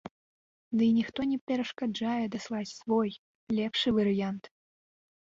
Дый ніхто не перашкаджае даслаць свой, лепшы варыянт.